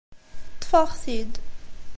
Ṭṭef-aɣ-t-id.